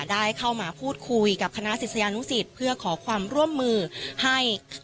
ได้เข้ามาพูดคุยกับคณะศิษยานุสิตเพื่อขอความร่วมมือให้